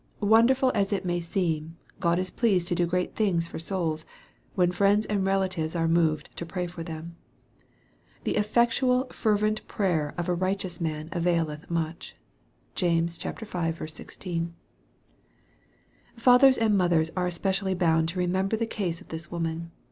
Wonderful as it may seem, God is pleased to do great things for souls, when friends and relations are moved to pray for them. " The effectual fervent prayer of a righteous man availeth much." (James v. 16.) Fathers and mothers are especially bound to remember the case of this woman.